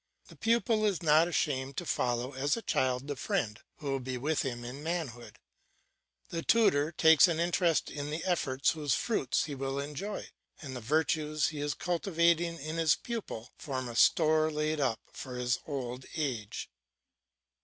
The pupil is not ashamed to follow as a child the friend who will be with him in manhood; the tutor takes an interest in the efforts whose fruits he will enjoy, and the virtues he is cultivating in his pupil form a store laid up for his old age.